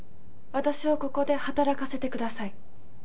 私をここで働かせてください。